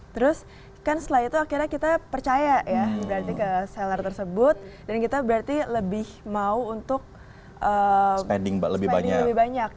terus kan setelah itu akhirnya kita percaya ya berarti ke seller tersebut dan kita berarti lebih mau untuk pending lebih banyak